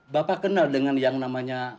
bapak kenal dengan yang namanya